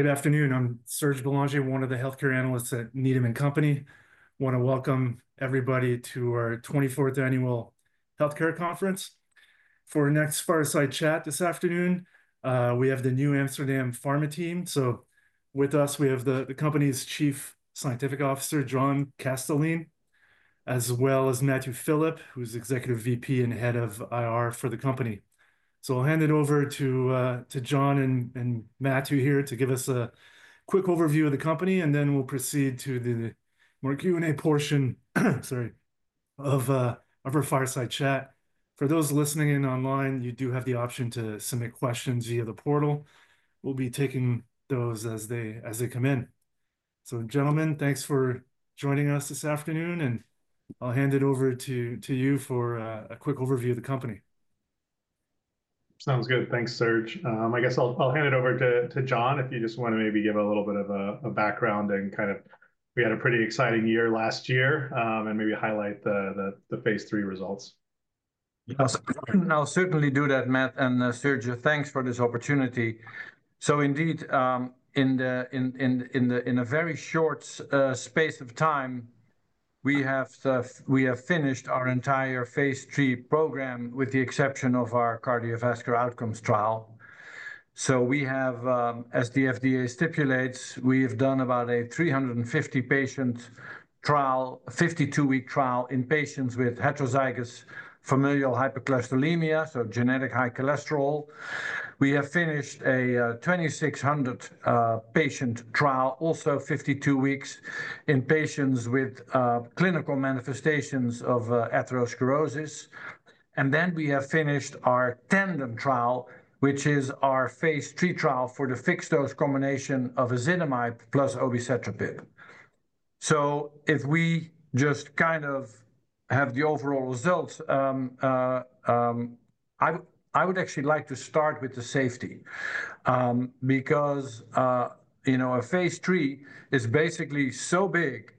Good afternoon. I'm Serge Belanger, one of the healthcare analysts at Needham & Company. I want to welcome everybody to our 24th Annual Healthcare Conference. For our next fireside chat this afternoon, we have the NewAmsterdam Pharma team. With us, we have the company's Chief Scientific Officer, John Kastelein, as well as Matthew Philippe, who's Executive VP and Head of IR for the company. I'll hand it over to John and Matthew here to give us a quick overview of the company, and then we'll proceed to the more Q&A portion, sorry, of our fireside chat. For those listening in online, you do have the option to submit questions via the portal. We'll be taking those as they come in. Gentlemen, thanks for joining us this afternoon, and I'll hand it over to you for a quick overview of the company. Sounds good. Thanks, Serge. I guess I'll hand it over to John if you just want to maybe give a little bit of a background and kind of, we had a pretty exciting year last year and maybe highlight the phase III results. Yes. I'll certainly do that, Matt. And Serge, thanks for this opportunity. Indeed, in a very short space of time, we have finished our entire phase III program with the exception of our cardiovascular outcomes trial. As the FDA stipulates, we have done about a 350-patient trial, a 52-week trial in patients with heterozygous familial hypercholesterolemia, so genetic high cholesterol. We have finished a 2,600-patient trial, also 52 weeks in patients with clinical manifestations of atherosclerosis. We have finished our TANDEM trial, which is our phase III trial for the fixed-dose combination of ezetimibe plus obicetrapib. If we just kind of have the overall results, I would actually like to start with the safety because a phase III is basically so big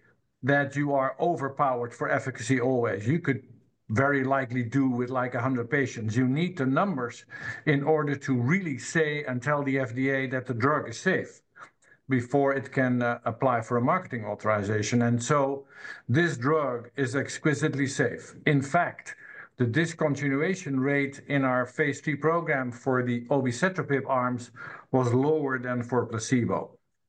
that you are overpowered for efficacy always. You could very likely do with like 100 patients. You need the numbers in order to really say and tell the FDA that the drug is safe before it can apply for a marketing authorization. This drug is exquisitely safe. In fact, the discontinuation rate in our phase III program for the obicetrapib arms was lower than for placebo.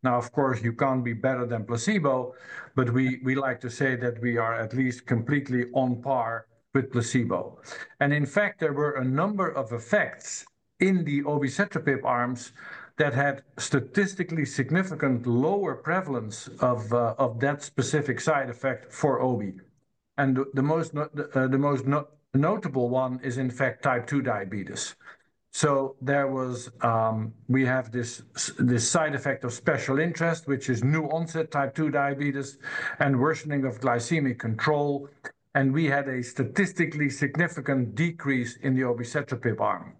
Of course, you can't be better than placebo, but we like to say that we are at least completely on par with placebo. In fact, there were a number of effects in the obicetrapib arms that had statistically significant lower prevalence of that specific side effect for obi. The most notable one is, in fact, type 2 diabetes. We have this side effect of special interest, which is new onset type 2 diabetes and worsening of glycemic control. We had a statistically significant decrease in the obicetrapib arm.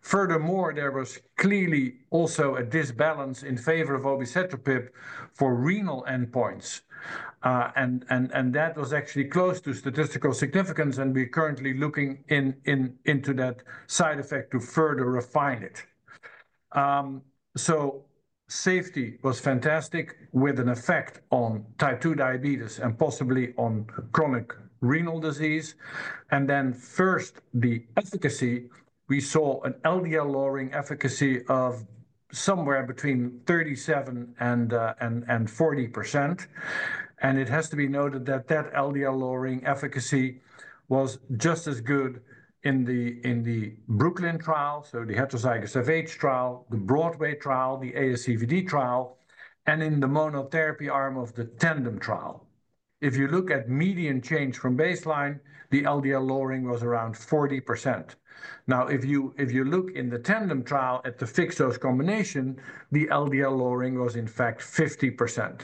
Furthermore, there was clearly also a disbalance in favor of obicetrapib for renal endpoints. That was actually close to statistical significance. We are currently looking into that side effect to further refine it. Safety was fantastic with an effect on type 2 diabetes and possibly on chronic renal disease. First, the efficacy, we saw an LDL-lowering efficacy of somewhere between 37%-40%. It has to be noted that that LDL-lowering efficacy was just as good in the BROOKLYN trial, so the heterozygous FH trial, the BROADWAY trial, the ASCVD trial, and in the monotherapy arm of the TANDEM trial. If you look at median change from baseline, the LDL-lowering was around 40%. If you look in the TANDEM trial at the fixed-dose combination, the LDL-lowering was, in fact, 50%.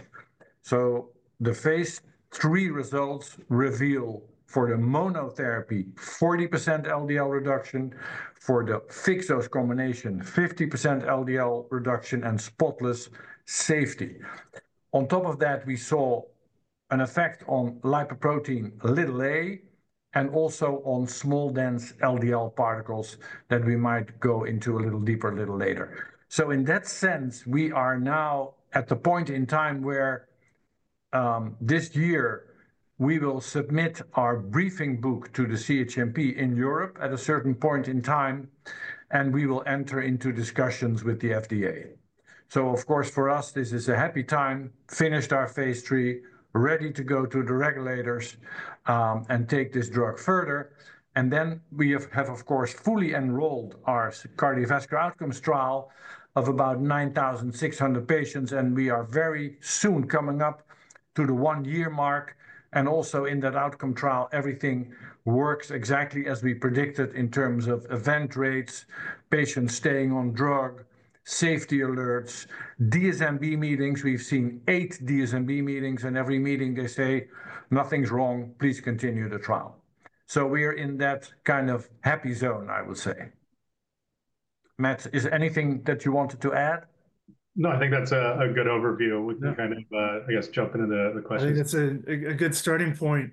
The phase III results reveal for the monotherapy, 40% LDL reduction, for the fixed-dose combination, 50% LDL reduction and spotless safety. On top of that, we saw an effect on lipoprotein (a) and also on small dense LDL particles that we might go into a little deeper a little later. In that sense, we are now at the point in time where this year, we will submit our briefing book to the CHMP in Europe at a certain point in time, and we will enter into discussions with the FDA. Of course, for us, this is a happy time, finished our phase III, ready to go to the regulators and take this drug further. We have, of course, fully enrolled our cardiovascular outcomes trial of about 9,600 patients. We are very soon coming up to the one-year mark. Also in that outcome trial, everything works exactly as we predicted in terms of event rates, patients staying on drug, safety alerts, DSMB meetings. We've seen eight DSMB meetings, and every meeting they say, "Nothing's wrong. Please continue the trial." We are in that kind of happy zone, I would say. Matt, is there anything that you wanted to add? No, I think that's a good overview with the kind of, I guess, jumping into the questions. I think that's a good starting point.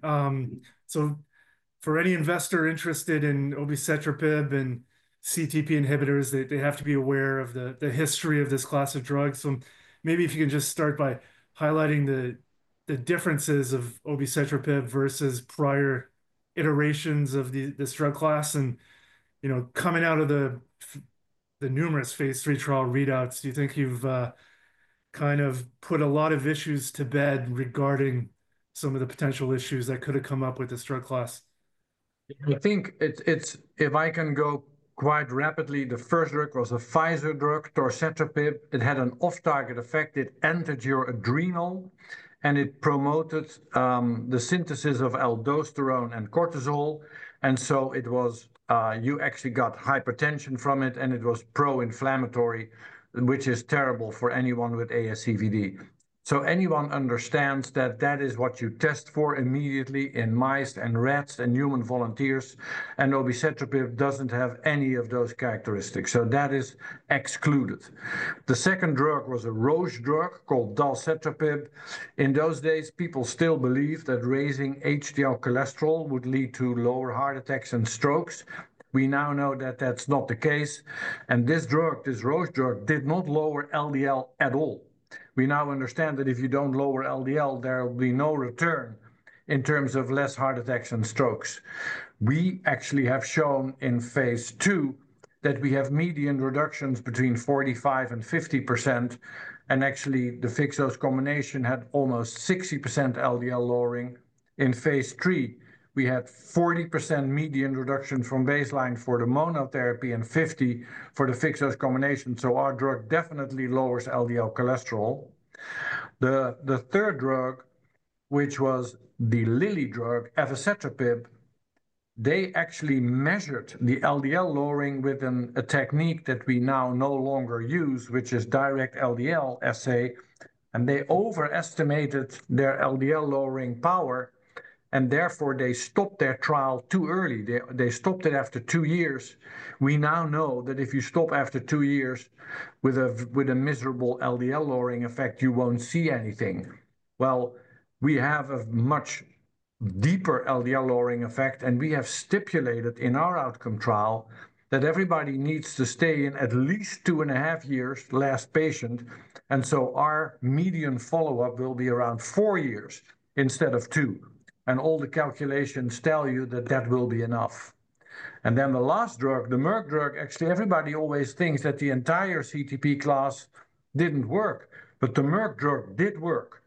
For any investor interested in obicetrapib and CETP inhibitors, they have to be aware of the history of this class of drugs. Maybe if you can just start by highlighting the differences of obicetrapib versus prior iterations of this drug class. Coming out of the numerous phase III trial readouts, do you think you've kind of put a lot of issues to bed regarding some of the potential issues that could have come up with this drug class? I think if I can go quite rapidly, the first drug was a Pfizer drug, torcetrapib. It had an off-target effect. It entered your adrenal, and it promoted the synthesis of aldosterone and cortisol. You actually got hypertension from it, and it was pro-inflammatory, which is terrible for anyone with ASCVD. Anyone understands that that is what you test for immediately in mice and rats and human volunteers. Obicetrapib does not have any of those characteristics. That is excluded. The second drug was a Roche drug called dalcetrapib. In those days, people still believed that raising HDL cholesterol would lead to lower heart attacks and strokes. We now know that that is not the case. This drug, this Roche drug, did not lower LDL at all. We now understand that if you don't lower LDL, there will be no return in terms of less heart attacks and strokes. We actually have shown in phase II that we have median reductions between 45%-50%. Actually, the fixed-dose combination had almost 60% LDL-lowering. In phase III, we had 40% median reduction from baseline for the monotherapy and 50% for the fixed-dose combination. Our drug definitely lowers LDL-cholesterol. The third drug, which was the Lilly drug, evacetrapib, they actually measured the LDL-lowering with a technique that we now no longer use, which is direct LDL assay. They overestimated their LDL-lowering power. Therefore, they stopped their trial too early. They stopped it after two years. We now know that if you stop after two years with a miserable LDL-lowering effect, you won't see anything. We have a much deeper LDL-lowering effect. We have stipulated in our outcome trial that everybody needs to stay in at least 2.5 years last patient. Our median follow-up will be around four years instead of two. All the calculations tell you that that will be enough. The last drug, the Merck drug, actually, everybody always thinks that the entire CETP class did not work, but the Merck drug did work.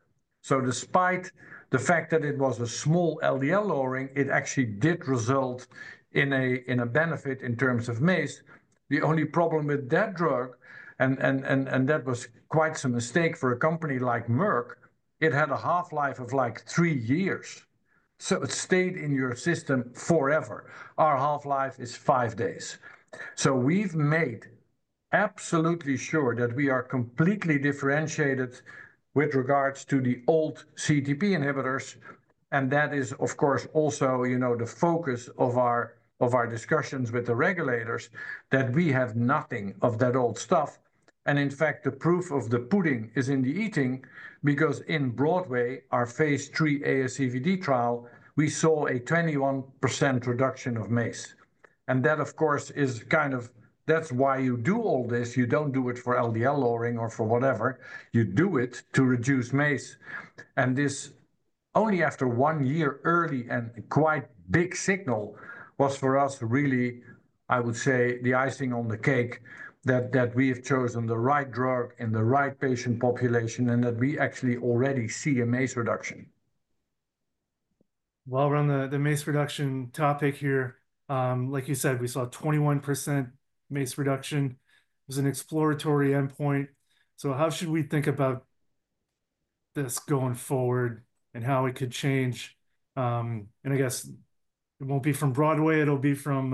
Despite the fact that it was a small LDL-lowering, it actually did result in a benefit in terms of MACE. The only problem with that drug, and that was quite a mistake for a company like Merck, it had a half-life of like three years. It stayed in your system forever. Our half-life is five days. We have made absolutely sure that we are completely differentiated with regards to the old CETP inhibitors. That is, of course, also the focus of our discussions with the regulators that we have nothing of that old stuff. In fact, the proof of the pudding is in the eating because in BROADWAY, our phase III ASCVD trial, we saw a 21% reduction of MACE. That, of course, is kind of, that's why you do all this. You don't do it for LDL-lowering or for whatever. You do it to reduce MACE. This only after one year early and quite a big signal was for us really, I would say, the icing on the cake that we have chosen the right drug in the right patient population and that we actually already see a MACE reduction. While we're on the MACE reduction topic here, like you said, we saw a 21% MACE reduction. It was an exploratory endpoint. How should we think about this going forward and how it could change? I guess it won't be from BROADWAY. It will be from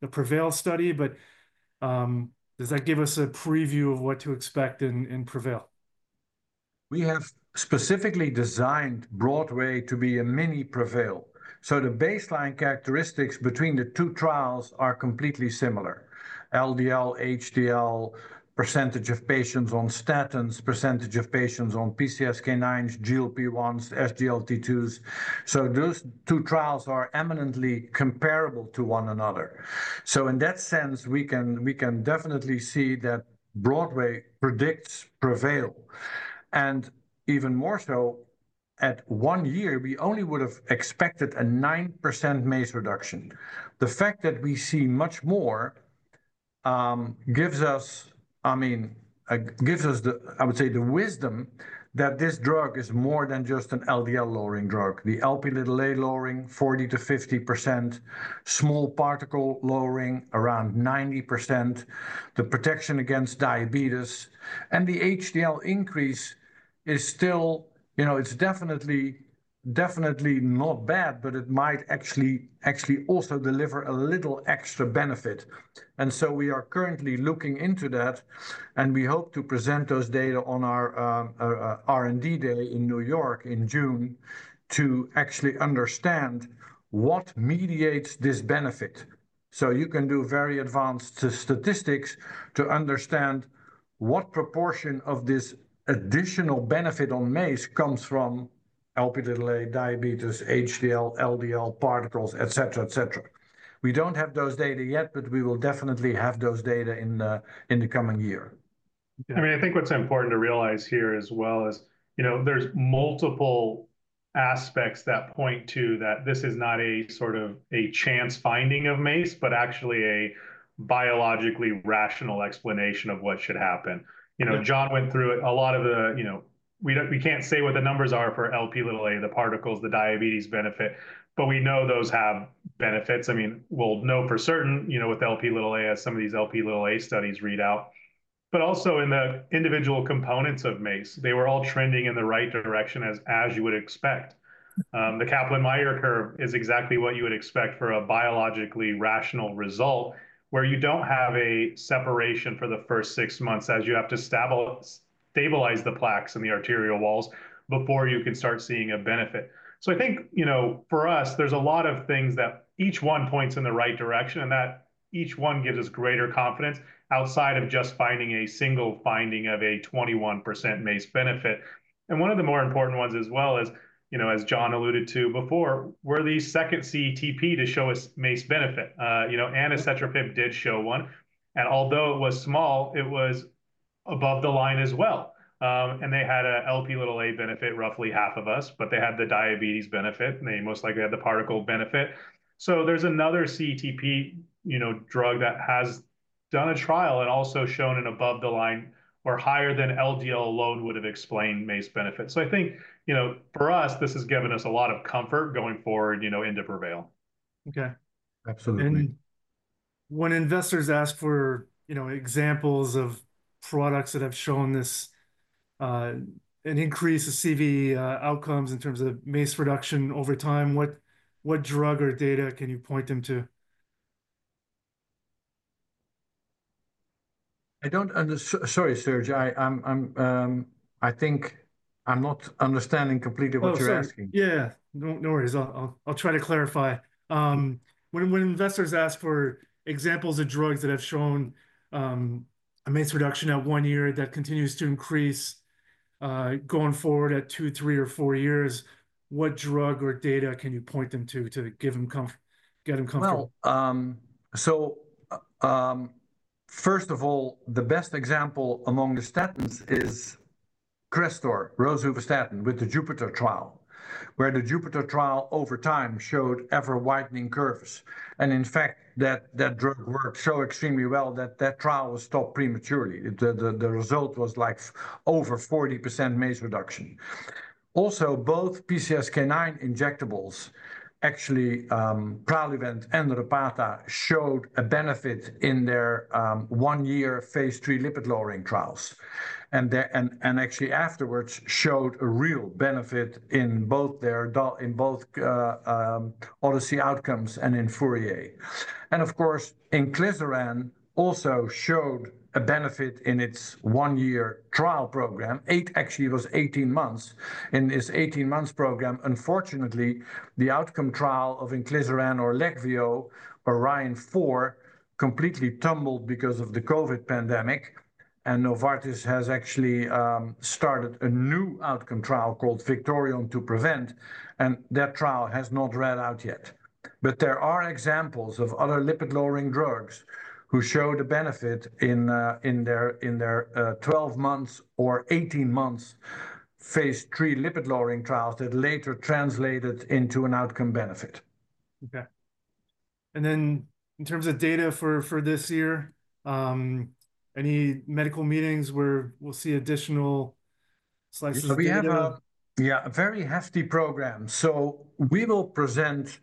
the PREVAIL study. Does that give us a preview of what to expect in PREVAIL? We have specifically designed BROADWAY to be a mini PREVAIL. The baseline characteristics between the two trials are completely similar: LDL, HDL, percentage of patients on statins, percentage of patients on PCSK9s, GLP-1s, SGLT2s. Those two trials are eminently comparable to one another. In that sense, we can definitely see that BROADWAY predicts PREVAIL. And, even more so, at one year, we only would have expected a 9% MACE reduction. The fact that we see much more gives us, I mean, gives us, I would say, the wisdom that this drug is more than just an LDL-lowering drug. The Lp(a) lowering, 40%-50%, small particle lowering, around 90%, the protection against diabetes. The HDL increase is still, it's definitely not bad, but it might actually also deliver a little extra benefit. We are currently looking into that. We hope to present those data on our R&D Day in New York in June to actually understand what mediates this benefit. You can do very advanced statistics to understand what proportion of this additional benefit on MACE comes from Lp(a), diabetes, HDL, LDL, particles, et cetera, et cetera. We do not have those data yet, but we will definitely have those data in the coming year. I mean, I think what's important to realize here as well is there's multiple aspects that point to that this is not a sort of a chance finding of MACE, but actually a biologically rational explanation of what should happen. John went through a lot of the, we can't say what the numbers are for Lp(a), the particles, the diabetes benefit, but we know those have benefits. I mean, we'll know for certain with Lp(a) as some of these Lp(a) studies read out. Also, in the individual components of MACE, they were all trending in the right direction, as you would expect. The Kaplan-Meier curve is exactly what you would expect for a biologically rational result where you don't have a separation for the first six months as you have to stabilize the plaques in the arterial walls before you can start seeing a benefit. I think for us, there's a lot of things that each one points in the right direction and that each one gives us greater confidence outside of just finding a single finding of a 21% MACE benefit. One of the more important ones as well is, as John alluded to before, were these second CETP to show us MACE benefit. Anacetrapib did show one. Although it was small, it was above the line as well. They had an Lp(a) benefit, roughly half of us, but they had the diabetes benefit. They most likely had the particle benefit. There's another CETP drug that has done a trial and also shown an above the line or higher than LDL alone would have explained MACE benefit. I think for us, this has given us a lot of comfort going forward into PREVAIL. Okay. Absolutely. When investors ask for examples of products that have shown an increase in CV outcomes in terms of MACE reduction over time, what drug or data can you point them to? I don't understand. Sorry, Serge. I think I'm not understanding completely what you're asking. Yeah. No worries. I'll try to clarify. When investors ask for examples of drugs that have shown a MACE reduction at one year that continues to increase going forward at two years, three years, or four years, what drug or data can you point them to to get them comfortable? First of all, the best example among the statins is Crestor, rosuvastatin with the JUPITER trial, where the JUPITER trial over time showed ever-widening curves. In fact, that drug worked so extremely well that that trial was stopped prematurely. The result was like over 40% MACE reduction. Also, both PCSK9 injectables, actually Praluent and Repatha, showed a benefit in their one-year phase III lipid-lowering trials. Actually, afterwards showed a real benefit in both ODYSSEY outcomes and in FOURIER. Of course, inclisiran also showed a benefit in its one-year trial program. Eight actually was 18 months. In its 18-month program, unfortunately, the outcome trial of inclisiran or LEQVIO or ORION-4 completely tumbled because of the COVID pandemic. Novartis has actually started a new outcome trial called VICTORION-2-PREVENT. That trial has not read out yet. There are examples of other lipid-lowering drugs who showed a benefit in their 12 months or 18 months phase III lipid-lowering trials that later translated into an outcome benefit. Okay. In terms of data for this year, any medical meetings where we'll see additional slices of data? We have a very hefty program. We will present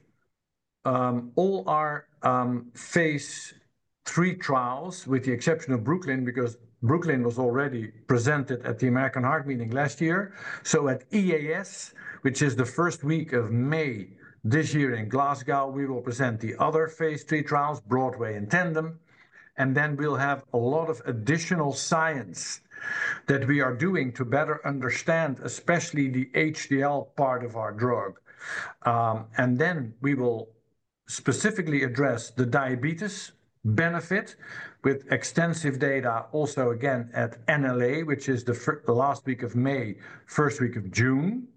all our phase III trials with the exception of BROOKLYN because BROOKLYN was already presented at the American Heart Meeting last year. At EAS, which is the first week of May this year in Glasgow, we will present the other phase III trials, BROADWAY and TANDEM. We will have a lot of additional science that we are doing to better understand, especially the HDL part of our drug. We will specifically address the diabetes benefit with extensive data also again at NLA, which is the last week of May, first week of June.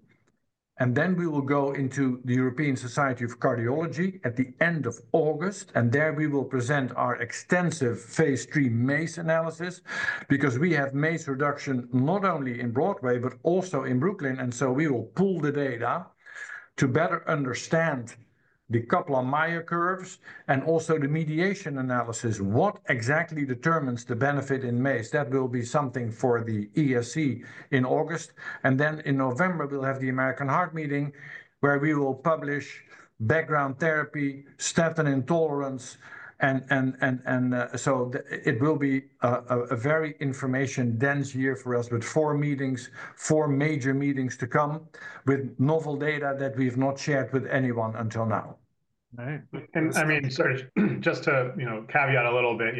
We will go into the European Society of Cardiology at the end of August. There we will present our extensive phase III MACE analysis because we have MACE reduction not only in BROADWAY, but also in BROOKLYN. We will pull the data to better understand the Kaplan-Meier curves and also the mediation analysis. What exactly determines the benefit in MACE? That will be something for the ESC in August. In November, we'll have the American Heart Meeting where we will publish background therapy, statin intolerance. It will be a very information-dense year for us with four meetings, four major meetings to come with novel data that we've not shared with anyone until now. I mean, Serge, just to caveat a little bit,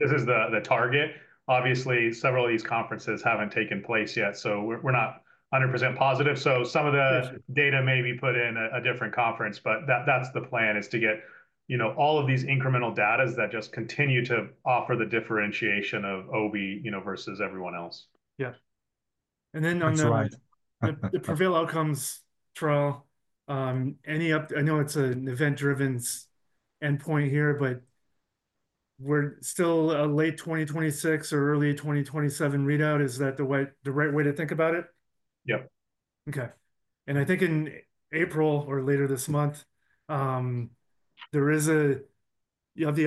this is the target. Obviously, several of these conferences haven't taken place yet. We are not 100% positive. Some of the data may be put in a different conference, but that's the plan is to get all of these incremental data that just continue to offer the differentiation of obi versus everyone else. Yeah. And then on the PREVAIL outcomes trial, I know it's an event-driven endpoint here, but we're still a late 2026 or early 2027 readout. Is that the right way to think about it? Yep. Okay. I think in April or later this month, you have the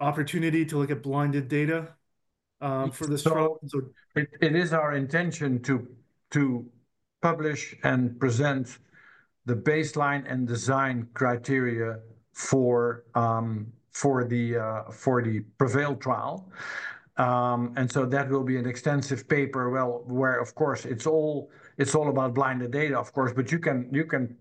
opportunity to look at blinded data for the trial. It is our intention to publish and present the baseline and design criteria for the PREVAIL trial. That will be an extensive paper where, of course, it's all about blinded data, but you can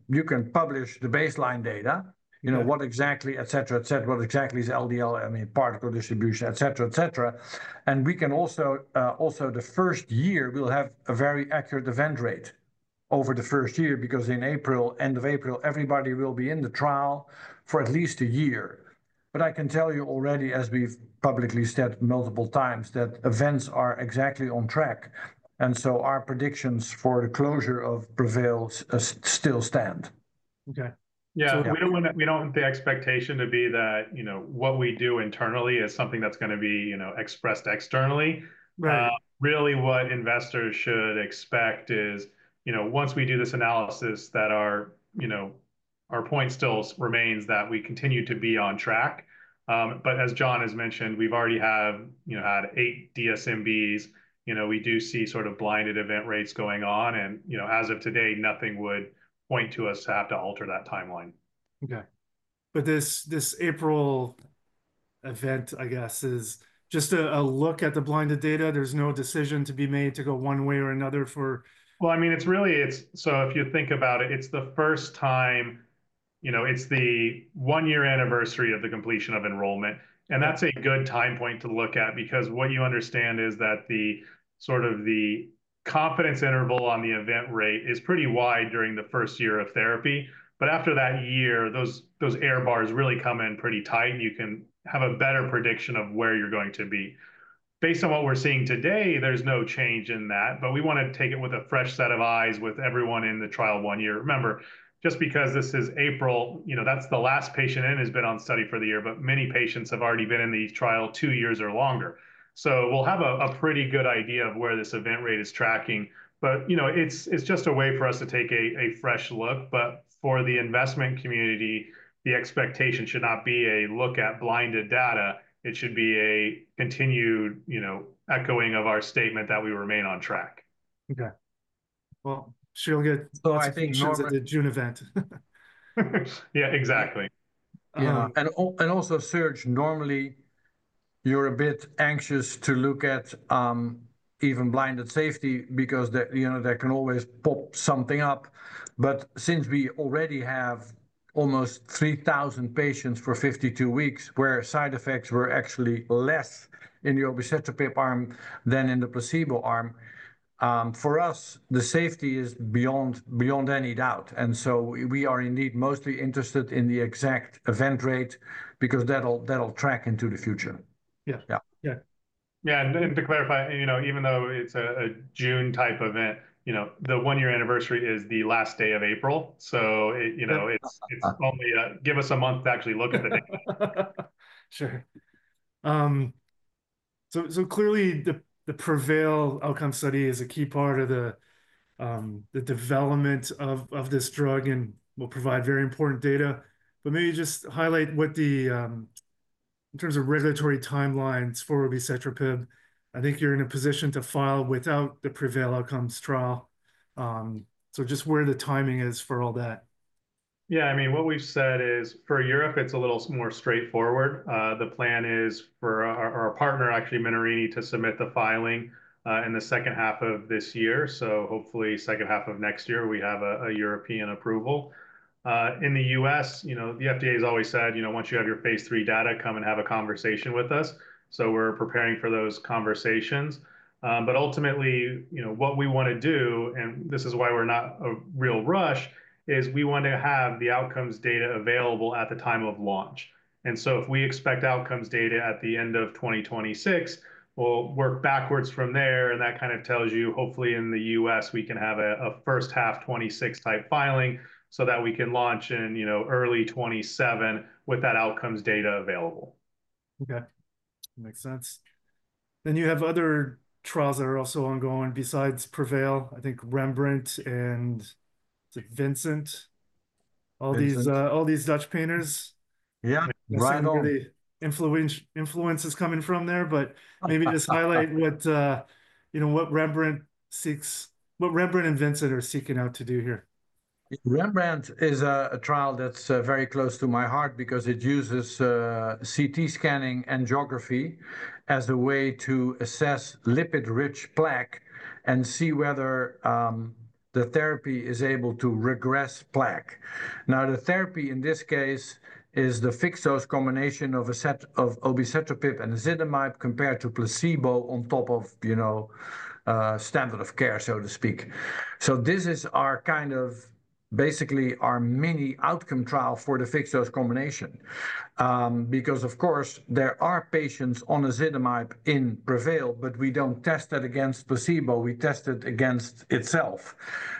publish the baseline data, what exactly, et cetera, et cetera, what exactly is LDL, I mean, particle distribution, et cetera, et cetera. We can also, also the first year, we'll have a very accurate event rate over the first year because in April, end of April, everybody will be in the trial for at least a year. I can tell you already, as we've publicly said multiple times, that events are exactly on track. Our predictions for the closure of PREVAIL still stand. Okay. Yeah. We do not want the expectation to be that what we do internally is something that is going to be expressed externally. Really, what investors should expect is once we do this analysis, that our point still remains that we continue to be on track. As John has mentioned, we have already had eight DSMBs. We do see sort of blinded event rates going on. As of today, nothing would point to us to have to alter that timeline. Okay. This April event, I guess, is just a look at the blinded data. There's no decision to be made to go one way or another for. I mean, it's really, so if you think about it, it's the first time, it's the one-year anniversary of the completion of enrollment. That's a good time point to look at because what you understand is that sort of the confidence interval on the event rate is pretty wide during the first year of therapy. After that year, those error bars really come in pretty tight. You can have a better prediction of where you're going to be. Based on what we're seeing today, there's no change in that. We want to take it with a fresh set of eyes with everyone in the trial one year. Remember, just because this is April, that's the last patient in has been on study for the year, but many patients have already been in the trial two years or longer. We'll have a pretty good idea of where this event rate is tracking. It is just a way for us to take a fresh look. For the investment community, the expectation should not be a look at blinded data. It should be a continued echoing of our statement that we remain on track. Okay. You will get the June event. Yeah, exactly. Also, Serge, normally, you're a bit anxious to look at even blinded safety because there can always pop something up. But since we already have almost 3,000 patients for 52 weeks where side effects were actually less in the obicetrapib arm than in the placebo arm, for us, the safety is beyond any doubt. We are indeed mostly interested in the exact event rate because that'll track into the future. Yeah. Yeah. Yeah. To clarify, even though it's a June type event, the one-year anniversary is the last day of April. It only gives us a month to actually look at the data. Sure. Clearly, the PREVAIL outcome study is a key part of the development of this drug and will provide very important data. Maybe just highlight what the, in terms of regulatory timelines for obicetrapib, I think you're in a position to file without the PREVAIL outcomes trial. Just where the timing is for all that. Yeah. I mean, what we've said is for Europe, it's a little more straightforward. The plan is for our partner, actually, Menarini, to submit the filing in the second half of this year. Hopefully, second half of next year, we have a European approval. In the U.S., the FDA has always said, once you have your phase III data, come and have a conversation with us. We're preparing for those conversations. Ultimately, what we want to do, and this is why we're not in a real rush, is we want to have the outcomes data available at the time of launch. If we expect outcomes data at the end of 2026, we'll work backwards from there. That kind of tells you, hopefully, in the U.S., we can have a first half 2026 type filing so that we can launch in early 2027 with that outcomes data available. Okay. Makes sense. You have other trials that are also ongoing besides PREVAIL, I think REMBRANDT and VINCENT, all these Dutch painters. Yeah. Right. Some of the influence is coming from there, but maybe just highlight what REMBRANDT and VINCENT are seeking out to do here. REMBRANDT is a trial that's very close to my heart because it uses CT scanning and angiography as a way to assess lipid-rich plaque and see whether the therapy is able to regress plaque. Now, the therapy in this case is the fixed-dose combination of obicetrapib and ezetimibe compared to placebo on top of standard of care, so to speak. This is kind of basically our mini outcome trial for the fixed-dose combination because, of course, there are patients on ezetimibe in PREVAIL, but we don't test that against placebo. We test it against itself.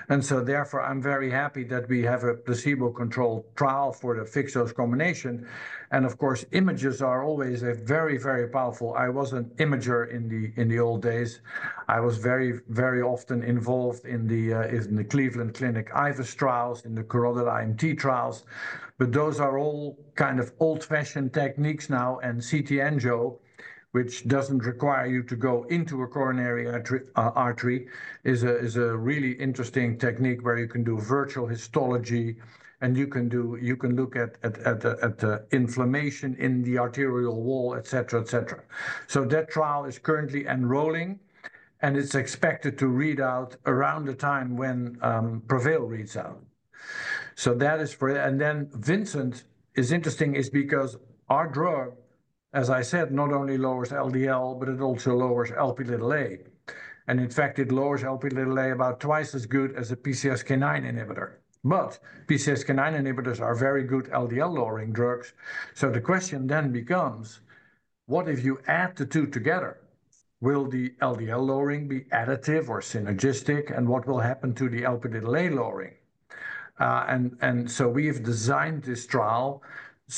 Therefore, I'm very happy that we have a placebo-controlled trial for the fixed-dose combination. Of course, images are always very, very powerful. I was an imager in the old days. I was very, very often involved in the Cleveland Clinic IVUS trials, in the carotid IMT trials. Those are all kind of old-fashioned techniques now. CT angio, which does not require you to go into a coronary artery, is a really interesting technique where you can do virtual histology, and you can look at the inflammation in the arterial wall, et cetera, et cetera. That trial is currently enrolling, and it is expected to read out around the time when PREVAIL reads out. That is for it. VINCENT is interesting because our drug, as I said, not only lowers LDL, but it also lowers Lp(a). In fact, it lowers Lp(a) about 2x as good as a PCSK9 inhibitor. PCSK9 inhibitors are very good LDL-lowering drugs. The question then becomes, what if you add the two together? Will the LDL-lowering be additive or synergistic? What will happen to the Lp(a) lowering? We have designed this trial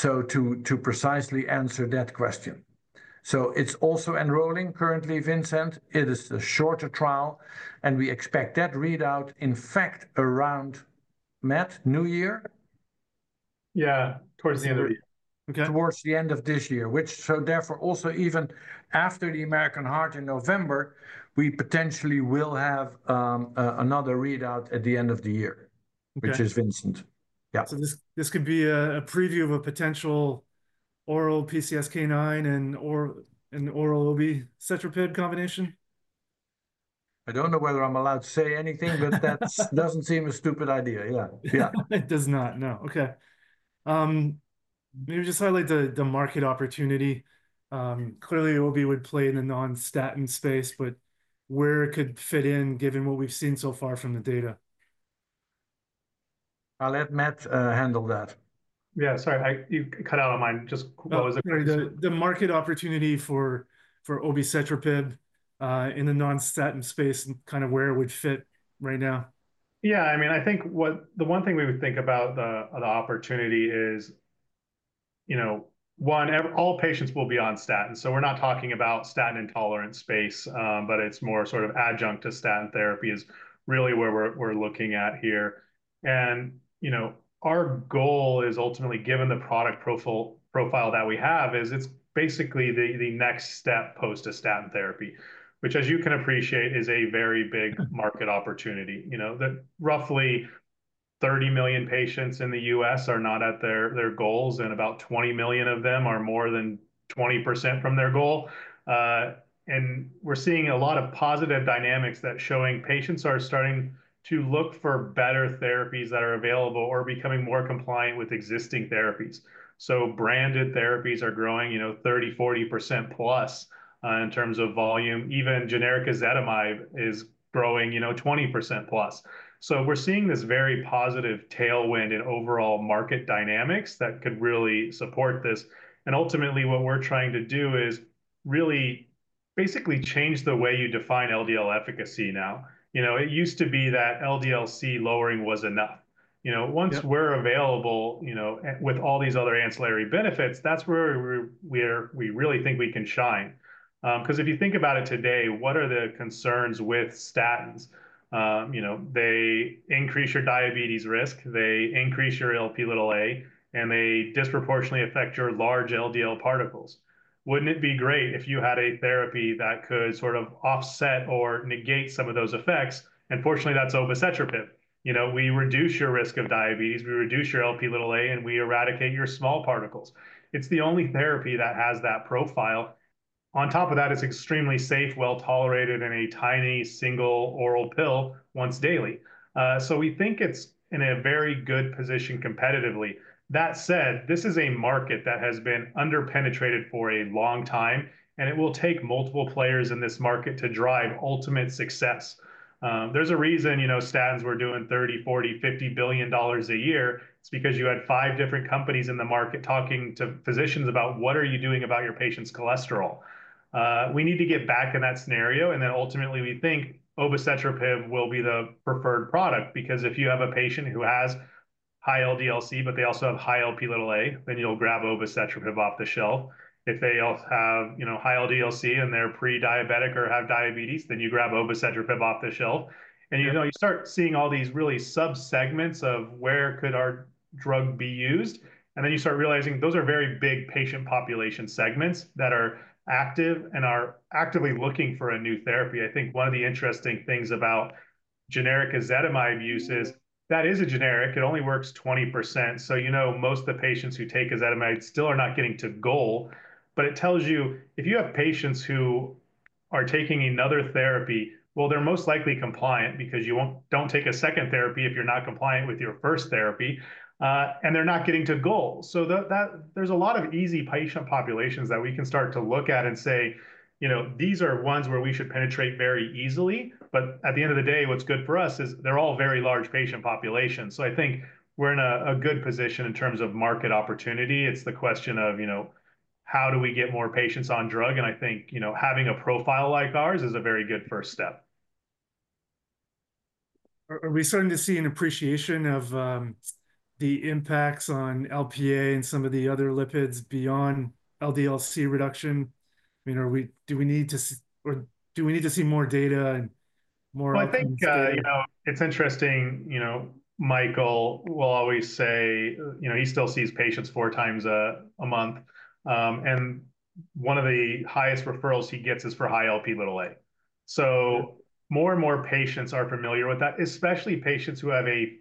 to precisely answer that question. It is also enrolling currently, VINCENT. It is the shorter trial, and we expect that readout, in fact, around, Matt, New Year? Yeah, towards the end of the year. Towards the end of this year, which so therefore also even after the American Heart in November, we potentially will have another readout at the end of the year, which is VINCENT. Yeah. Could this be a preview of a potential oral PCSK9 and oral obicetrapib combination? I don't know whether I'm allowed to say anything, but that doesn't seem a stupid idea. Yeah. It does not, no. Okay. Maybe just highlight the market opportunity. Clearly, obi would play in the non-statin space, but where it could fit in given what we've seen so far from the data? I'll let Matt handle that. Yeah, sorry. You cut out on mine. Just what was it? The market opportunity for obicetrapib in the non-statin space and kind of where it would fit right now. Yeah. I mean, I think the one thing we would think about the opportunity is, one, all patients will be on statin. We are not talking about statin intolerance space, but it is more sort of adjunct to statin therapy is really where we are looking at here. Our goal is ultimately, given the product profile that we have, it is basically the next step post a statin therapy, which, as you can appreciate, is a very big market opportunity. Roughly 30 million patients in the U.S. are not at their goals, and about 20 million of them are more than 20% from their goal. We are seeing a lot of positive dynamics that showing patients are starting to look for better therapies that are available or becoming more compliant with existing therapies. Branded therapies are growing 30%-40%+ in terms of volume. Even generic ezetimibe is growing 20%+. We are seeing this very positive tailwind in overall market dynamics that could really support this. Ultimately, what we are trying to do is really basically change the way you define LDL efficacy now. It used to be that LDL-C lowering was enough. Once we are available with all these other ancillary benefits, that is where we really think we can shine. Because if you think about it today, what are the concerns with statins? They increase your diabetes risk. They increase your Lp(a), and they disproportionately affect your large LDL particles. Wouldn't it be great if you had a therapy that could sort of offset or negate some of those effects? Fortunately, that is obicetrapib. We reduce your risk of diabetes. We reduce your Lp(a), and we eradicate your small particles. It is the only therapy that has that profile. On top of that, it's extremely safe, well-tolerated in a tiny single oral pill once daily. We think it's in a very good position competitively. That said, this is a market that has been underpenetrated for a long time, and it will take multiple players in this market to drive ultimate success. There's a reason statins were doing $30 billion, $40 billion, $50 billion a year. It's because you had five different companies in the market talking to physicians about what are you doing about your patient's cholesterol. We need to get back in that scenario. Ultimately, we think obicetrapib will be the preferred product because if you have a patient who has high LDL-C, but they also have high Lp(a), then you'll grab obicetrapib off the shelf. If they have high LDL-C and they're prediabetic or have diabetes, you grab obicetrapib off the shelf. You start seeing all these really subsegments of where could our drug be used. You start realizing those are very big patient population segments that are active and are actively looking for a new therapy. I think one of the interesting things about generic ezetimibe use is that is a generic. It only works 20%. You know most of the patients who take ezetimibe still are not getting to goal. It tells you if you have patients who are taking another therapy, they're most likely compliant because you don't take a second therapy if you're not compliant with your first therapy, and they're not getting to goal. There is a lot of easy patient populations that we can start to look at and say, these are ones where we should penetrate very easily. At the end of the day, what's good for us is they're all very large patient populations. I think we're in a good position in terms of market opportunity. It's the question of how do we get more patients on drug? I think having a profile like ours is a very good first step. Are we starting to see an appreciation of the impacts on Lp(a) and some of the other lipids beyond LDL-C reduction? I mean, do we need to or do we need to see more data and more? I think it's interesting. Michael will always say he still sees patients 4x a month. One of the highest referrals he gets is for high Lp(a). More and more patients are familiar with that, especially patients who have a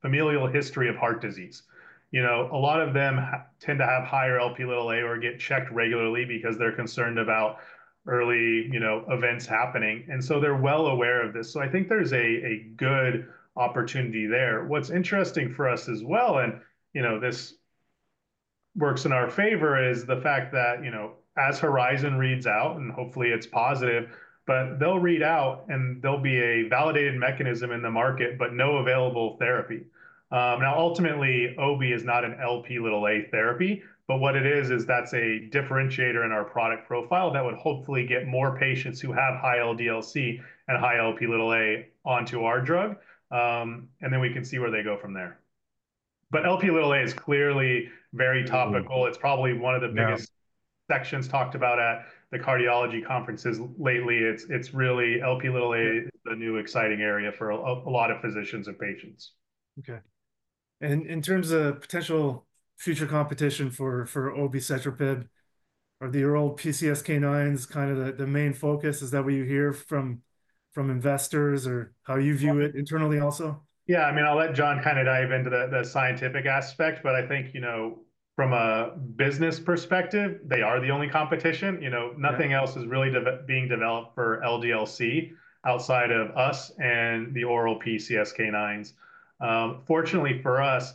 familial history of heart disease. A lot of them tend to have higher Lp(a) or get checked regularly because they're concerned about early events happening. They're well aware of this. I think there's a good opportunity there. What's interesting for us as well, and this works in our favor, is the fact that as HORIZON reads out, and hopefully it's positive, they'll read out and there will be a validated mechanism in the market, but no available therapy. Now, ultimately, obi is not an Lp(a) therapy, but what it is, is that's a differentiator in our product profile that would hopefully get more patients who have high LDL-C and high Lp(a) onto our drug. We can see where they go from there. Lp(a) is clearly very topical. It's probably one of the biggest sections talked about at the cardiology conferences lately. It's really Lp(a) is a new exciting area for a lot of physicians and patients. Okay. In terms of potential future competition for obicetrapib, are the oral PCSK9s kind of the main focus? Is that what you hear from investors or how you view it internally also? Yeah. I mean, I'll let John kind of dive into the scientific aspect, but I think from a business perspective, they are the only competition. Nothing else is really being developed for LDL-C outside of us and the oral PCSK9s. Fortunately for us,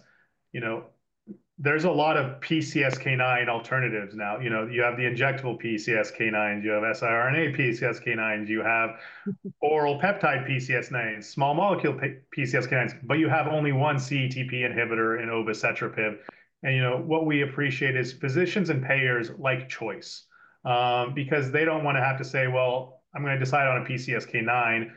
there's a lot of PCSK9 alternatives now. You have the injectable PCSK9s. You have siRNA PCSK9s. You have oral peptide PCSK9s, small molecule PCSK9s, but you have only one CETP inhibitor in obicetrapib. And what we appreciate is physicians and payers like choice because they don't want to have to say, "Well, I'm going to decide on a PCSK9."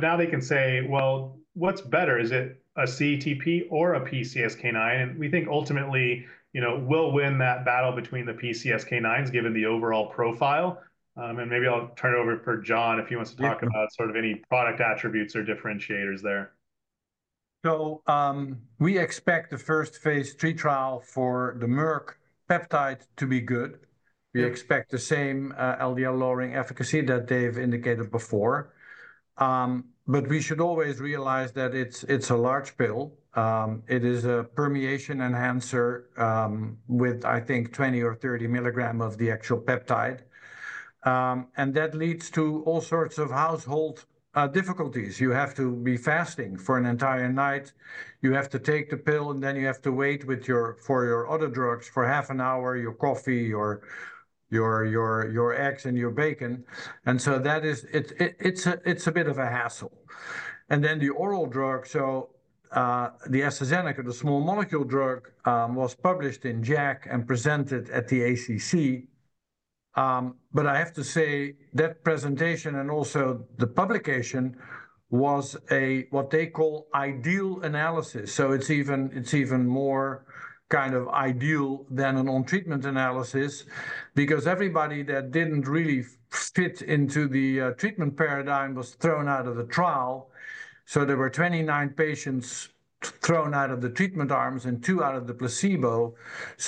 Now they can say, "Well, what's better? Is it a CETP or a PCSK9?" We think ultimately we'll win that battle between the PCSK9s given the overall profile. Maybe I'll turn it over for John if he wants to talk about sort of any product attributes or differentiators there. We expect the first phase III trial for the Merck peptide to be good. We expect the same LDL-lowering efficacy that they've indicated before. We should always realize that it's a large pill. It is a permeation enhancer with, I think, 20 mg or 30 mg of the actual peptide. That leads to all sorts of household difficulties. You have to be fasting for an entire night. You have to take the pill, and then you have to wait for your other drugs for half an hour, your coffee, your eggs, and your bacon. It's a bit of a hassle. The oral drug, so the AstraZeneca, the small molecule drug, was published in JACC and presented at the ACC. I have to say that presentation and also the publication was what they call ideal analysis. It's even more kind of ideal than an on-treatment analysis because everybody that didn't really fit into the treatment paradigm was thrown out of the trial. There were 29 patients thrown out of the treatment arms and two out of the placebo.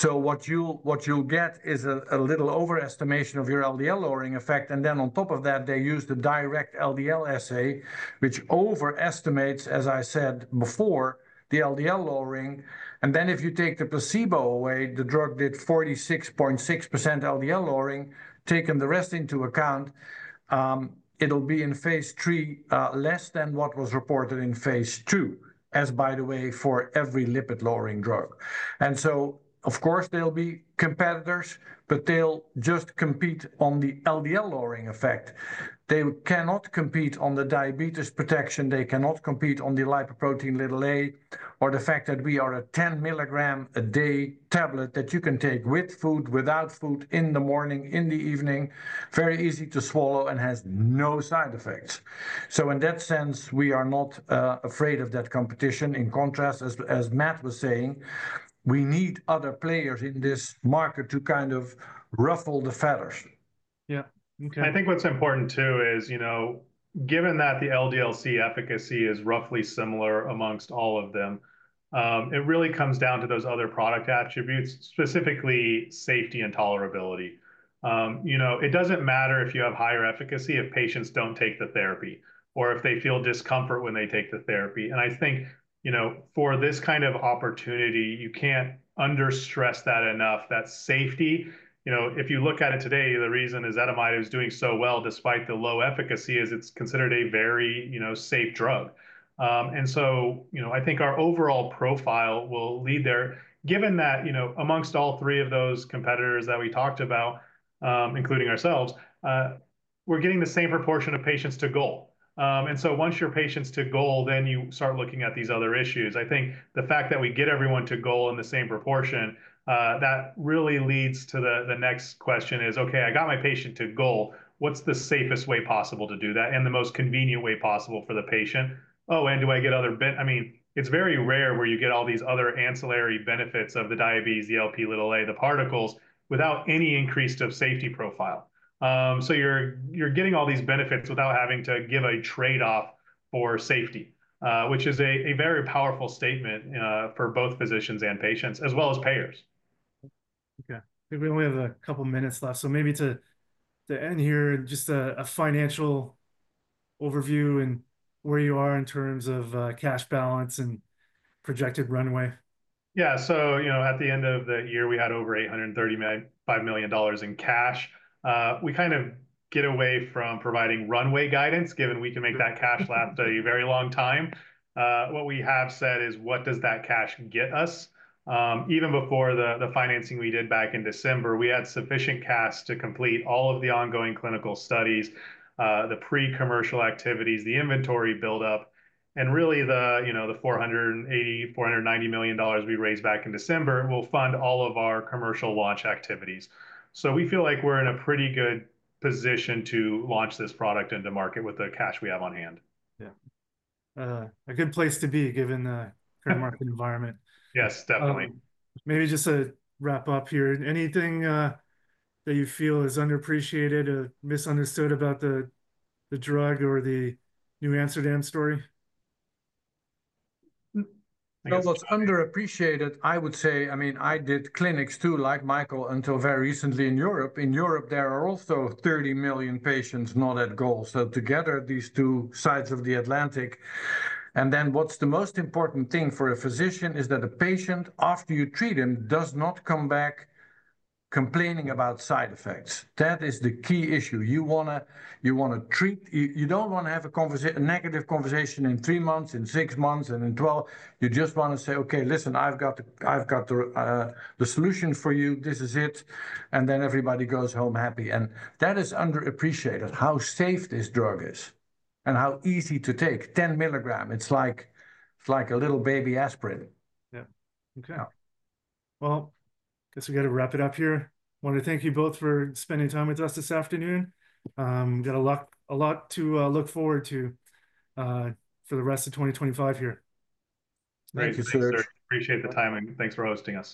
What you'll get is a little overestimation of your LDL-lowering effect. On top of that, they used a direct LDL assay, which overestimates, as I said before, the LDL-lowering. If you take the placebo away, the drug did 46.6% LDL-lowering. Taking the rest into account, it'll be in phase III less than what was reported in phase II, as, by the way, for every lipid-lowering drug. Of course, there'll be competitors, but they'll just compete on the LDL-lowering effect. They cannot compete on the diabetes protection. They cannot compete on the lipoprotein(a) or the fact that we are a 10-mg a day tablet that you can take with food, without food, in the morning, in the evening, very easy to swallow, and has no side effects. In that sense, we are not afraid of that competition. In contrast, as Matt was saying, we need other players in this market to kind of ruffle the feathers. Yeah. I think what's important too is given that the LDL-C efficacy is roughly similar amongst all of them, it really comes down to those other product attributes, specifically safety and tolerability. It doesn't matter if you have higher efficacy if patients don't take the therapy or if they feel discomfort when they take the therapy. I think for this kind of opportunity, you can't understress that enough, that safety. If you look at it today, the reason ezetimibe is doing so well despite the low efficacy is it's considered a very safe drug. I think our overall profile will lead there. Given that amongst all three of those competitors that we talked about, including ourselves, we're getting the same proportion of patients to goal. Once your patients to goal, you start looking at these other issues. I think the fact that we get everyone to goal in the same proportion, that really leads to the next question is, okay, I got my patient to goal. What's the safest way possible to do that and the most convenient way possible for the patient? Oh, and do I get other? I mean, it's very rare where you get all these other ancillary benefits of the diabetes, the Lp(a), the particles without any increased safety profile. So you're getting all these benefits without having to give a trade-off for safety, which is a very powerful statement for both physicians and patients as well as payers. Okay. I think we only have a couple of minutes left. Maybe to end here, just a financial overview and where you are in terms of cash balance and projected runway. Yeah. At the end of the year, we had over $835 million in cash. We kind of get away from providing runway guidance given we can make that cash last a very long time. What we have said is, what does that cash get us? Even before the financing we did back in December, we had sufficient cash to complete all of the ongoing clinical studies, the pre-commercial activities, the inventory buildup, and really the $480 million-$490 million we raised back in December will fund all of our commercial launch activities. We feel like we're in a pretty good position to launch this product into market with the cash we have on hand. Yeah. A good place to be given the current market environment. Yes, definitely. Maybe just to wrap up here, anything that you feel is underappreciated or misunderstood about the drug or the NewAmsterdam story? What's underappreciated, I would say, I mean, I did clinics too, like Michael, until very recently in Europe. In Europe, there are also 30 million patients not at goal. Together, these two sides of the Atlantic. The most important thing for a physician is that the patient, after you treat him, does not come back complaining about side effects. That is the key issue. You want to treat; you don't want to have a negative conversation in three months, in six months, and in t12 months. You just want to say, "Okay, listen, I've got the solution for you. This is it." Everybody goes home happy. That is underappreciated, how safe this drug is and how easy to take 10 mg. It's like a little baby aspirin. Yeah. Okay. I guess we got to wrap it up here. I want to thank you both for spending time with us this afternoon. We've got a lot to look forward to for the rest of 2025 here. Thank you, sir. Appreciate the time. Thanks for hosting us.